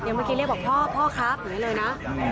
เมื่อกี้เรียกบอกพ่อพ่อครับอย่างนี้เลยนะ